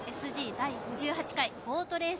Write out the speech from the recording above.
第５８回ボートレース